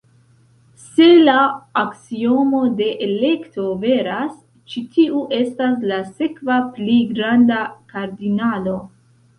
Se la aksiomo de elekto veras, ĉi tiu estas la sekva pli granda kardinalo.